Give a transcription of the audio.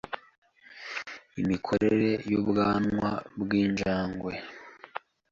Imikorere y’ubwanwa bw’injangwe